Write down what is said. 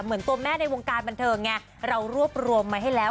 เหมือนตัวแม่ในวงการบันเทิงไงเรารวบรวมมาให้แล้ว